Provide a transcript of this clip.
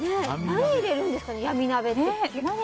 何入れるんですかね、闇鍋って。